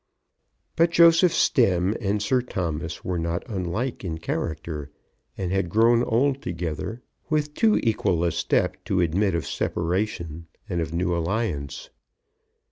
But Joseph Stemm and Sir Thomas were not unlike in character, and had grown old together with too equal a step to admit of separation and of new alliance.